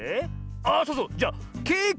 あそうそうじゃケーキ